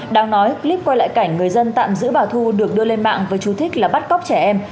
đáng nói clip quay lại cảnh người dân tạm giữ bà thu được đưa lên mạng với chú thích là bắt cóc trẻ em